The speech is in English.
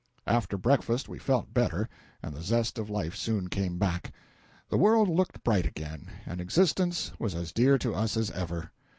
After breakfast we felt better, and the zest of life soon came back. The world looked bright again, and existence was as dear to us as ever.